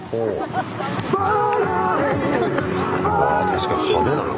うわ確かに派手だな